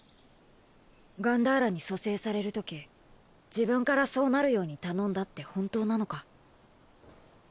ガンダーラに蘇生されるとき自分からそうなるように頼んだって本当なのか？